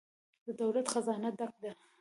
د دولت خزانه ډکه ده؟